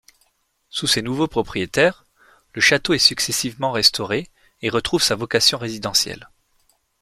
Sous ses nouveaux propriétaires, le château est successivement restauré et retrouve sa vocation résidentielle.